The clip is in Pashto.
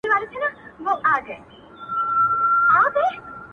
په مندڼو کې خال خال چېرته پیدا شي